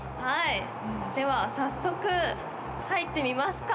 では早速入ってみますか。